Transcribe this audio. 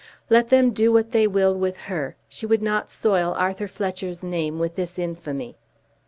Let them do what they will with her, she would not soil Arthur Fletcher's name with this infamy.